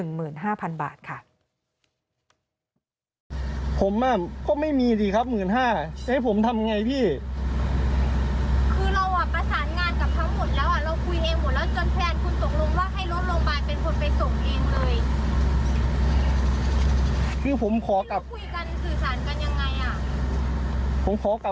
หนึ่งหมื่นห้าพันบาทค่ะ